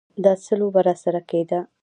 دا څه لوبه راسره کېده.